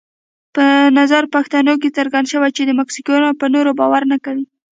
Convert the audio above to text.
په نظر پوښتنو کې څرګنده شوې چې مکسیکویان پر نورو باور نه کوي.